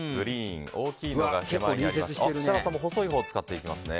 設楽さんも細いほうを使っていきますね。